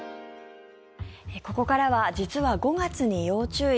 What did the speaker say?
ここからは実は５月に要注意！